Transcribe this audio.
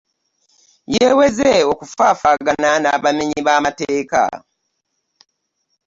Yeeweze okufaafaagana n'abamenyi b'amateeka.